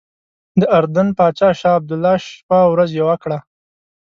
د اردن پاچا شاه عبدالله شپه او ورځ یوه کړه.